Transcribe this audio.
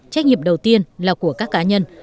trách nhiệm đầu tiên là của các cá nhân